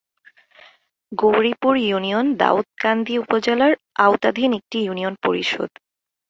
Gauripur union Daudkandi উপজেলার আওতাধীন একটি ইউনিয়ন পরিষদ।